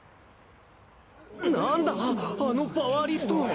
あのパワーリスト。